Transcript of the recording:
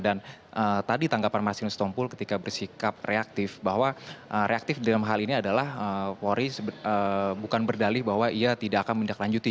tadi tanggapan masinus tompu ketika bersikap reaktif bahwa reaktif dalam hal ini adalah polri bukan berdalih bahwa ia tidak akan menindaklanjuti